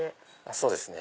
そうですね。